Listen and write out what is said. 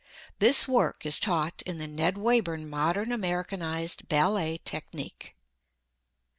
This work is taught in the Ned Wayburn Modern Americanized Ballet Technique.